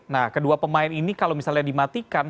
nah kedua pemain ini kalau misalnya dimatikan